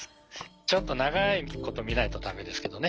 ちょっと長いこと見ないと駄目ですけどね。